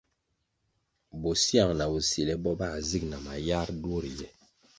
Bosyang na bosile bo bā zig na mayar duo riye.